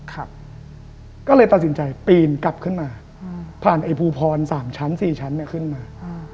ก็เลยตัดสินใจปีนกลับขึ้นมาผ่านไอ้ภูพร๓ชั้น๔ชั้นเนี่ยขึ้นมา